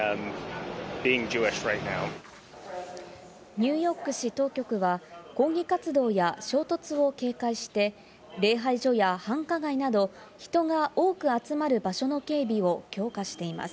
ニューヨーク市当局は抗議活動や衝突を警戒して、礼拝所や繁華街など人が多く集まる場所の警備を強化しています。